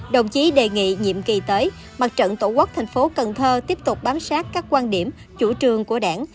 đồng chí đề nghị nhiệm kỳ tới mặt trận tổ quốc thành phố cần thơ tiếp tục bám sát các quan điểm chủ trương của đảng